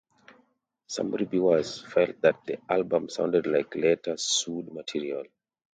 Some reviewers felt that the album sounded like later Suede material.